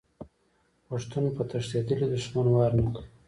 پښتون په تښتیدلي دښمن وار نه کوي.